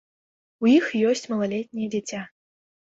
У іх ёсць малалетняе дзіця.